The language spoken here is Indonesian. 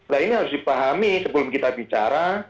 nah ini harus dipahami sebelum kita bicara